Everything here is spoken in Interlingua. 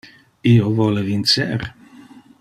Io vole vincer.